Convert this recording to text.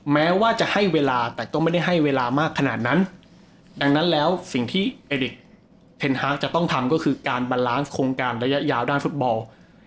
แม้ว่าจะให้เวลาแต่ก็ไม่ได้ให้เวลามากขนาดนั้นดังนั้นแล้วสิ่งที่เอริกเทนฮาร์กจะต้องทำก็คือการบันล้างโครงการระยะยาวด้านฟุตบอล